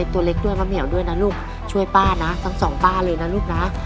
ตัวเล็กด้วยมะเหมียวด้วยนะลูกช่วยป้านะทั้งสองป้าเลยนะลูกนะ